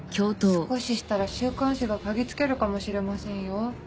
少ししたら週刊誌が嗅ぎつけるかもしれませんよ。